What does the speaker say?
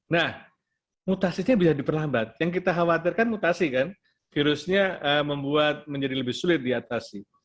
nah mutasinya bisa diperlambat yang kita khawatirkan mutasi kan virusnya membuat menjadi lebih sulit diatasi